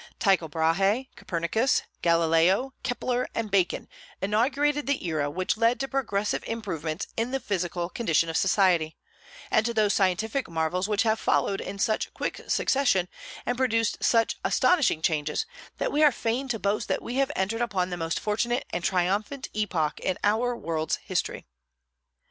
Tycho Brahe, Copernicus, Galileo, Kepler, and Bacon inaugurated the era which led to progressive improvements in the physical condition of society, and to those scientific marvels which have followed in such quick succession and produced such astonishing changes that we are fain to boast that we have entered upon the most fortunate and triumphant epoch in our world's history.